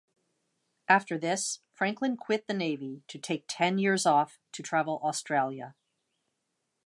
After this, Franklin quit the navy to take ten years off to travel Australia.